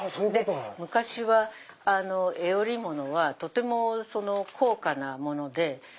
昔は絵織物はとても高価なもので。